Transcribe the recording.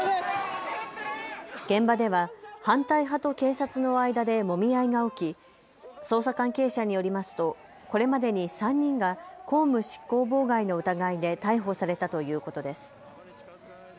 現場では反対派と警察の間でもみ合いが起き、捜査関係者によりますとこれまでに３人が公務執行妨害の疑いで逮捕されたということです。